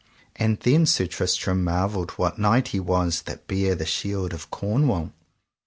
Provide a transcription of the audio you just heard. And then Sir Tristram marvelled what knight he was that bare the shield of Cornwall.